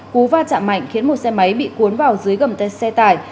cú va chạm mạnh khiến một xe máy bị cuốn vào dưới gầm tay xe tải